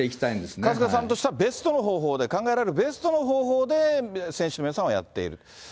春日さんとしてはベストな方法で、考えられるベストの方法で、選手の皆さんはやっている。